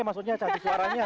eh maksudnya cantik suaranya